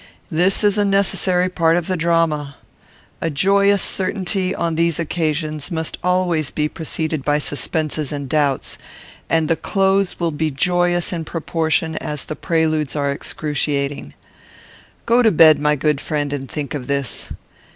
This is a necessary part of the drama. A joyous certainty, on these occasions, must always be preceded by suspenses and doubts, and the close will be joyous in proportion as the preludes are excruciating. Go to bed, my good friend, and think of this.